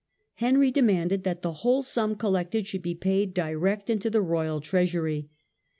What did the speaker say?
Henry demanded that the whole sum collected should be paid direct into the royal treasury.